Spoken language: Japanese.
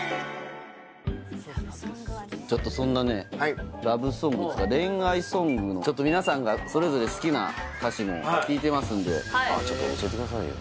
ちょっとそんなねラブソングっつーか恋愛ソングのちょっと皆さんがそれぞれ好きな歌詞も聞いてますんでちょっと教えてくださいよ